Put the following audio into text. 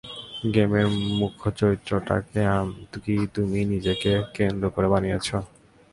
গেমের মূখ্য চরিত্রটাকে কি তুমি নিজেকে কেন্দ্র করে বানিয়েছ?